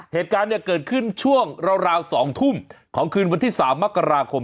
เหตุการณ์เนี่ยเกิดขึ้นช่วงราว๒ทุ่มของคืนวันที่๓มกราคม